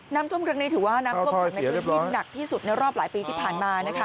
น้ำท่วมเครื่องในถือว่าน้ำท่วมในคือที่หนักที่สุดในรอบหลายปีที่ผ่านมานะคะ